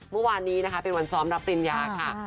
เมื่อวานนี้นะคะเป็นวันซ้อมรับปริญญาค่ะ